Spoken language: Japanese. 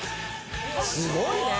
すごいね！